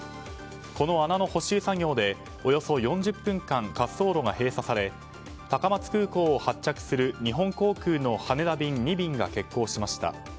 この穴の補修作業でおよそ４０分間滑走路が閉鎖され高松空港を発着する日本航空の羽田便２便が欠航しました。